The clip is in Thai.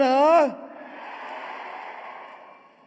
ดีใจนะครับ